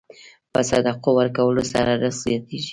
په صدقه ورکولو سره رزق زیاتېږي.